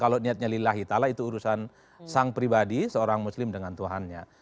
kalau niatnya lillahi ta'ala itu urusan sang pribadi seorang muslim dengan tuhannya